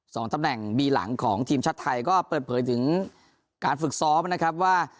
สองตำแหน่งบีหลังของทีมชาติไทยก็เปิดเผยถึงการฝึกซ้อมนะครับว่า